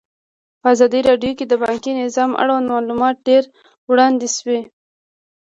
په ازادي راډیو کې د بانکي نظام اړوند معلومات ډېر وړاندې شوي.